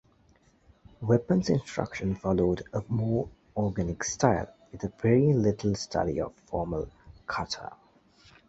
Weapons instruction followed a more organic style, with very little study of formal kata.